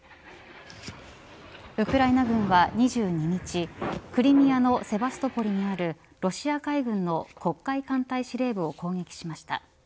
ウクライナ軍は２２日クリミアのセバストポリにあるロシア海軍の黒海艦隊司令部を攻撃しました。